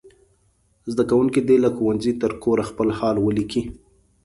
زده کوونکي دې له ښوونځي تر کوره خپل حال ولیکي.